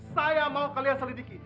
saya mau kalian selidiki